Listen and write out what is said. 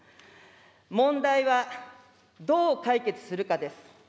問題は、どう解決するかです。